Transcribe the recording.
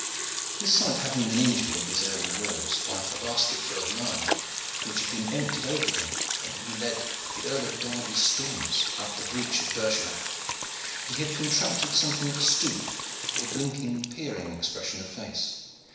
His sight having been injured in his early wars by a basketful of lime which had been emptied over him when he led the Earl of Derby's stormers up the breach at Bergerac, he had contracted something of a stoop, with a blinking, peering expression of face.